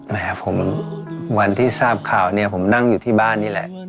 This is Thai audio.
แหมผมวันที่ทราบข่าวเนี่ยผมนั่งอยู่ที่บ้านนี่แหละ